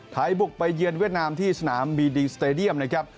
บุกไปเยือนเวียดนามที่สนามบีดิงสเตดียมนะครับ